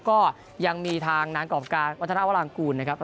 และก็ยังมีทางของนางออกกาวธนาควรรางกุลนะครับ